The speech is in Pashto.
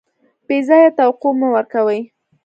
بې ځایه توقع مه ورکوئ.